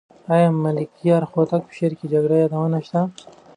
آیا د ملکیار هوتک په شعر کې د جګړې یادونه شته؟